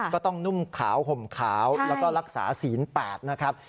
ต้องนุ่มขาวห่มขาวแล้วก็รักษาศีล๘นะครับ